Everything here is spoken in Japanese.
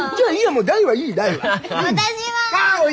もう大はいい！